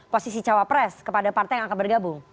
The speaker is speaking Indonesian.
posisi cowok pres kepada partai yang akan bergabung